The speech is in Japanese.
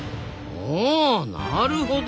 あなるほど。